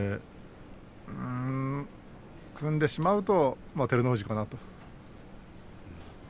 組んでしまうとまあ照ノ富士かなと。